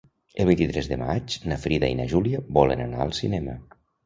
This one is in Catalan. El vint-i-tres de maig na Frida i na Júlia volen anar al cinema.